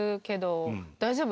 大丈夫？